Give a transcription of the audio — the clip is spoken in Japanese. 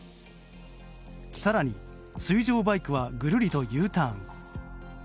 更に、水上バイクはぐるりとＵターン。